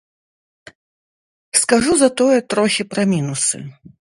Скажу затое трохі пра мінусы.